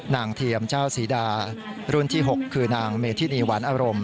เทียมเจ้าศรีดารุ่นที่๖คือนางเมธินีหวานอารมณ์